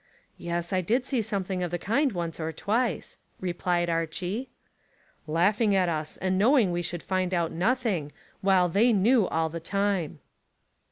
"Yes, I did see something of the kind once or twice," replied Archy. "Laughing at us, and knowing we should find out nothing, while they knew all the time."